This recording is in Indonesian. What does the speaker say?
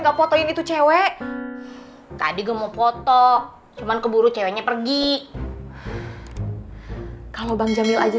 gak fotoin itu cewek tadi gue mau foto cuman keburu ceweknya pergi kalau bang jamil aja